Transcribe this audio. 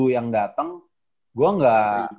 yang dateng gue gak